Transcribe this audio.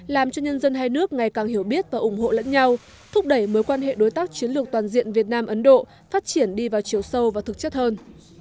làm cho nhân dân hai nước ngày càng hiểu biết và ủng hộ lẫn nhau thúc đẩy mối quan hệ đối tác chiến lược toàn diện việt nam ấn độ phát triển đi vào chiều sâu và thực chất hơn